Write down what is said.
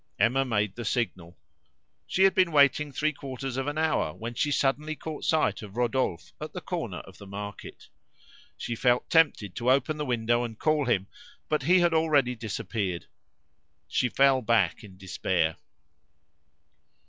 Emma made the signal; she had been waiting three quarters of an hour when she suddenly caught sight of Rodolphe at the corner of the market. She felt tempted to open the window and call him, but he had already disappeared. She fell back in despair.